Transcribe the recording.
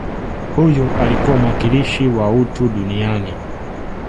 Huyu alikuwa mwakilishi wa utu duniani